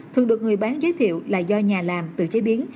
thường được người bán giới thiệu là do nhà làm tự chế biến